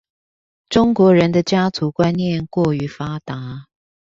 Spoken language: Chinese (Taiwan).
中國人的家族觀念過於發達